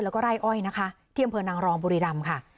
แล้วก็ไร่อ้อยนะคะที่อำเภอนางรองบุรีรำค่ะ